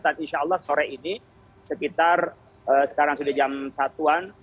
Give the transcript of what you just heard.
tapi insya allah sore ini sekitar sekarang sudah jam satu an